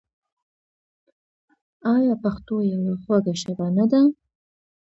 آیا پښتو یوه خوږه ژبه نه ده؟